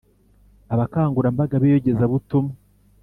abakangurambaga b’iyogezabutumwa